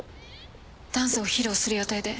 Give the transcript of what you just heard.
ダンスを披露する予定で。